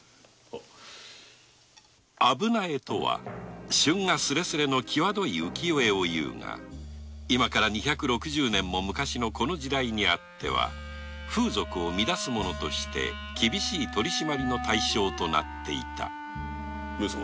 あぶな絵とは春画すれすれのきわどい浮世絵をいうが今から二百六十年も昔の時代にあっては風俗を乱すものとして厳しい取り締まりの対象となっていた上様